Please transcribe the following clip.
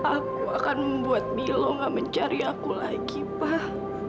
aku akan membuat milo gak mencari aku lagi pak